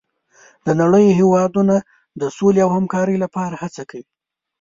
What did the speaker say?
د نړۍ هېوادونه د سولې او همکارۍ لپاره هڅه کوي.